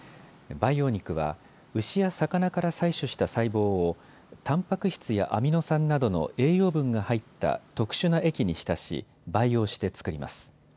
培養肉は牛や魚から採取した細胞を、たんぱく質やアミノ酸などの栄養分が入った特殊な液に浸し、培養して作ります。